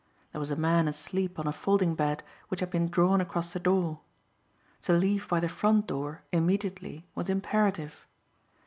There was a man asleep on a folding bed which had been drawn across the door. To leave by the front door immediately was imperative.